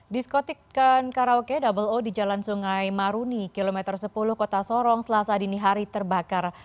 diskotikkan karaoke double o di jalan sungai maruni kilometer sepuluh kota sorong selasa dini hari terbakar